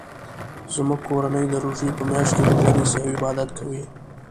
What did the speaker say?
زموږ کورنۍ د روژی په میاشت کې روژه نیسي او عبادت کوي